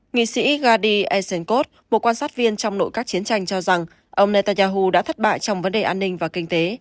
nghị sĩ gadi essenkot một quan sát viên trong nội các chiến tranh cho rằng ông netanyahu đã thất bại trong vấn đề an ninh và kinh tế